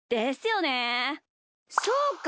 そうか！